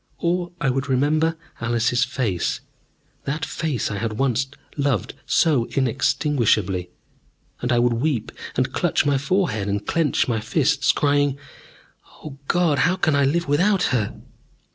Or I would remember Alice's face, that face I had once loved so inextinguishably, and I would weep and clutch my forehead, and clench my fists, crying, "O God, how can I live without her!"